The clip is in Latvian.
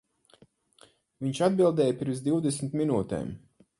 Viņš atbildēja pirms divdesmit minūtēm.